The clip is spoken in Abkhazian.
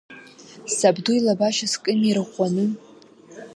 Сабду илабашьа скыми ирӷәӷәаны.